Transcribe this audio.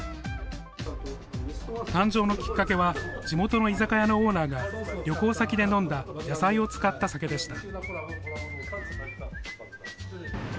誕生のきっかけは地元の居酒屋のオーナーが旅行先で飲んだ野菜を使った酒でした。